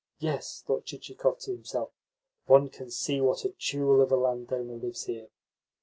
"Yes," thought Chichikov to himself, "one can see what a jewel of a landowner lives here."